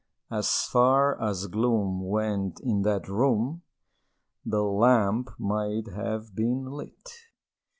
As far as gloom went in that room, The lamp might have been lit!